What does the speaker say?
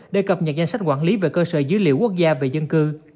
để cập nhật danh sách quản lý về cơ sở dữ liệu quốc gia về dân cư